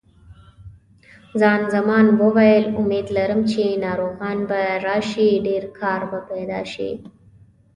خان زمان وویل: امید لرم چې ناروغان به راشي، ډېر کار به پیدا شي.